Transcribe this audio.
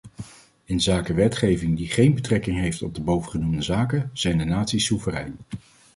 Inzake wetgeving die geen betrekking heeft op de bovengenoemde zaken, zijn de naties soeverein.